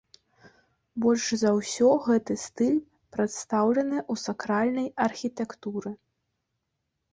Больш за ўсё гэты стыль прадстаўлены ў сакральнай архітэктуры.